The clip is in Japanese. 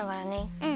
うん。